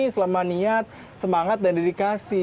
selama niat semangat dan dedikasi